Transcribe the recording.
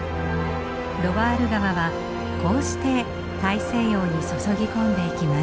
ロワール川はこうして大西洋に注ぎ込んでいきます。